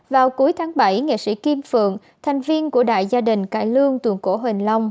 vào cuối tháng bảy nghệ sĩ kim phượng thành viên của đại gia đình cải lương tuồng cổ huỳnh long